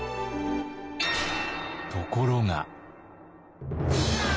ところが。